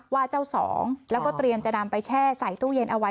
ว่าเจ้าสองแล้วก็เตรียมจะนำไปแช่ใส่ตู้เย็นเอาไว้